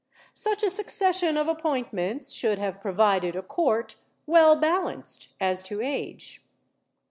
Such a succession of appointments should have provided a Court well balanced as to age.